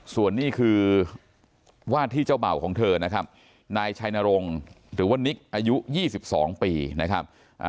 ส่วนนี้คือวาดที่เจ้าเบาของเธอนะครับนายชายนารงท์หรือว่านิวอายุยี่สิบสองปีนะครับ